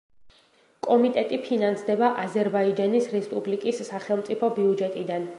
კომიტეტი ფინანსდება აზერბაიჯანის რესპუბლიკის სახელმწიფო ბიუჯეტიდან.